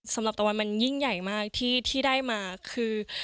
สำหรับตะวันมันยิ่งใหญ่มากที่ได้มาคือ